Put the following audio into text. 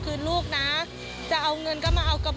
ควิทยาลัยเชียร์สวัสดีครับ